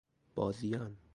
بازیان